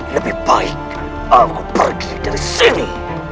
lebih baik aku pergi dari sini